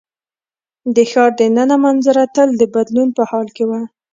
د ښار د ننه منظره تل د بدلون په حال کې وه.